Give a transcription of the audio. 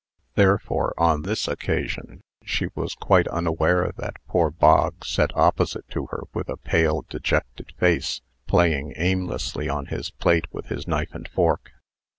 Therefore, on this occasion, she was quite unaware that poor Bog sat opposite to her with a pale, dejected face, playing aimlessly on his plate with his knife and fork.